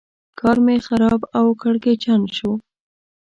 کار مې خراب او کړکېچن شو.